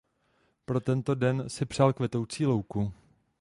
Pro tento den si přál kvetoucí louku.